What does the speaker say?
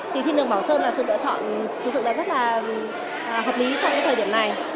thì thiên đường bảo sơn là sự lựa chọn thật sự rất là hợp lý trong cái thời điểm này